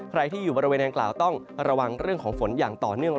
ใครที่อยู่บริเวณดังกล่าวต้องระวังเรื่องของฝนอย่างต่อเนื่อง